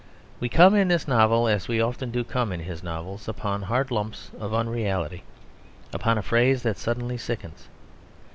We come in this novel, as we often do come in his novels, upon hard lumps of unreality, upon a phrase that suddenly sickens.